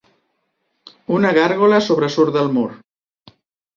Una gàrgola sobresurt del mur.